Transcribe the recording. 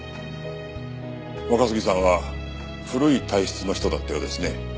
若杉さんは古い体質の人だったようですね。